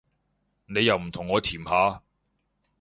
你又唔同我甜下